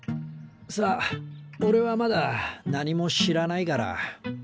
さあオレはまだ何も知らないから。